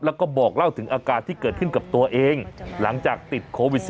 แล้วก็บอกเล่าถึงอาการที่เกิดขึ้นกับตัวเองหลังจากติดโควิด๑๙